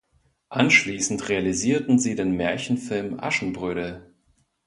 Anschließend realisierten sie den Märchenfilm "Aschenbrödel".